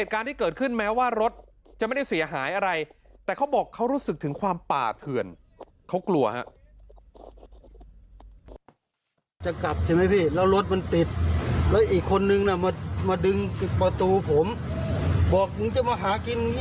แต่เขาบอกเขารู้สึกถึงความป่าเถื่อนเขากลัวฮะ